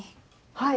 はい。